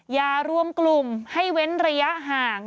อย่ารวมกลุ่มให้เว้นระยะห่าง